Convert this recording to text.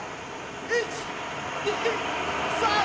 １・２・３！